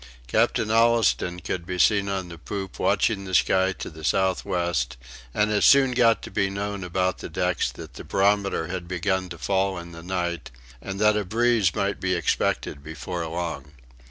Captain Allistoun could be seen on the poop watching the sky to the southwest, and it soon got to be known about the decks that the barometer had begun to fall in the night, and that a breeze might be expected before long.